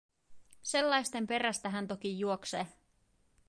Sellaisten perästä hän toki juoksee.